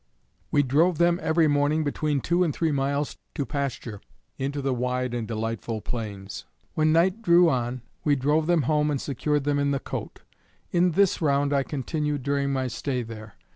We drove them every morning between two and three miles to pasture, into the wide and delightful plains. When night drew on, we drove them home and secured them in the cote. In this round I continued during my stay there.